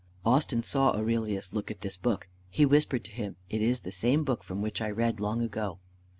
Austin saw Aurelius look at this book. He whispered to him, "It is the same book from which I read long ago."